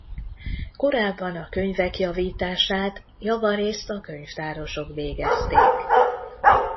Korábban a könyvek javítását javarészt a könyvtárosok végezték.